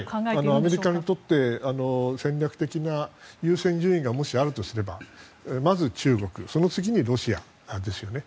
アメリカにとって戦略的な優先順位がもしあるとすればまず中国その次にロシアですよね。